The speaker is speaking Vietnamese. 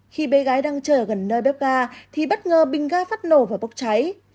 khi bé gái đang chờ gần nơi bếp ga thì bất ngờ bình ga phát nổ và bốc cháy